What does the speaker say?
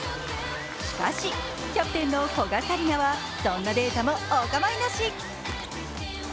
しかし、キャプテンの古賀紗理那はそんなデータもおかまいなし。